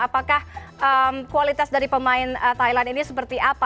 apakah kualitas dari pemain thailand ini seperti apa